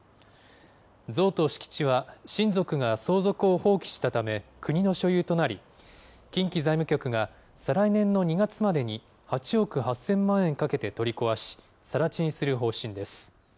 像と敷地は、親族が相続を放棄したため国の所有となり、近畿財務局が再来年の２月までに８億８０００万円かけて取り壊し、さら地にする方針です。